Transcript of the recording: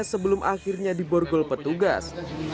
sebelum akhirnya diborgol petugas